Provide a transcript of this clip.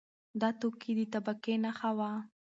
دا توکی د طبقې نښه نه وه.